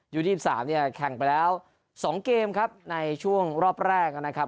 ๒๓เนี่ยแข่งไปแล้ว๒เกมครับในช่วงรอบแรกนะครับ